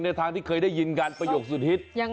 ทางที่เคยได้ยินกันประโยคสุดฮิต